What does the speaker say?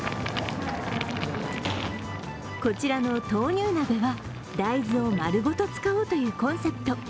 こちらの豆乳鍋は、大豆をまるごと使おうというコンセプト。